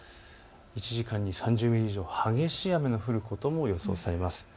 １時間に３０ミリ以上の激しい雨が降ることも予想されます。